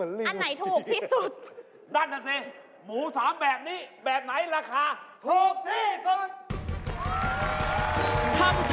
อันไหนถูกที่สุด